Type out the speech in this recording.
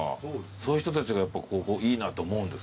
そういう人たちがやっぱここいいなと思うんですかね。